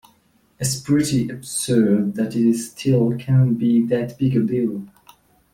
It's pretty absurd that it still can be that big a deal.